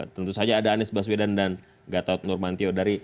tentu saja ada anies baswedan dan gatot nurmantio